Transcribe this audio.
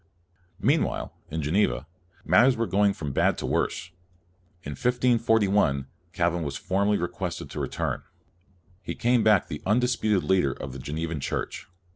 Meanwhile, in Geneva, matters were going from bad to worse. In 1541, Calvin was formally requested to return. He ii2 CALVIN came back the undisputed leader of the Genevan Church.